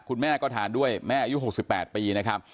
คุณแม่ก็ทานด้วยแม่อายุ๖๘ปีนะครับ